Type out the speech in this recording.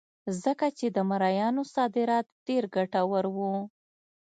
ځکه چې د مریانو صادرات ډېر ګټور وو.